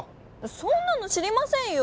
そんなの知りませんよ！